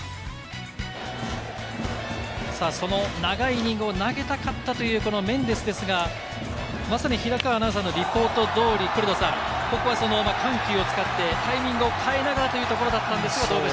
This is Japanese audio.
長いイニングを投げたかったというメンデスですが、まさに平川アナウンサーのリポート通り、緩急を使ってタイミングを変えながらというところだったんですけれど。